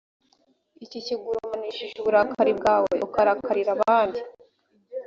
iki kigurumanishije uburakari bwawe ukarakarira abandi